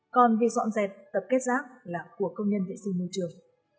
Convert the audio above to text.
còn việc dọn dẹp tập kết rác là của công nhân vệ sinh môi trường